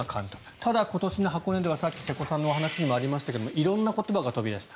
ただ、今年の箱根ではさっき瀬古さんのお話にもありましたが色んな言葉が飛び出した。